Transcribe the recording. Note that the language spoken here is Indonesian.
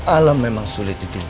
alam memang sulit untuk dipercaya